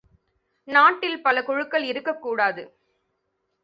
நாட்டில் பல குழுக்கள் இருக்கக்கூடாது.